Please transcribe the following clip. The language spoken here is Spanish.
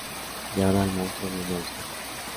Y ahora el monstruo viene a buscarla.